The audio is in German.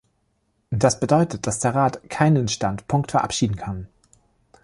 Das bedeutet, dass der Rat keinen Standpunkt verabschieden kann.